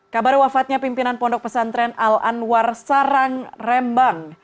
kabar wafatnya pimpinan pondok pesantren al anwar sarang rembang